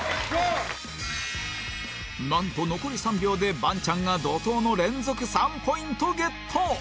なんと残り３秒でバンチャンが怒濤の連続３ポイントゲット